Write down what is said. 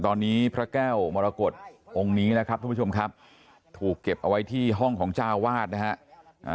ตอนนี้พระแก้วมรกฏองค์นี้นะครับทุกผู้ชมครับถูกเก็บเอาไว้ที่ห้องของเจ้าวาดนะฮะ